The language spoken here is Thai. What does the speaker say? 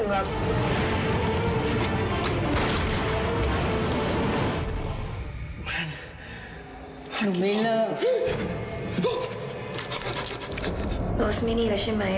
ไม่ดีเลย